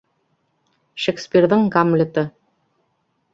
Шекспирҙың «Гамлеты»